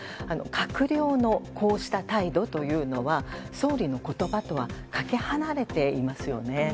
閣僚の、こうした態度というのは総理の言葉とはかけ離れていますよね。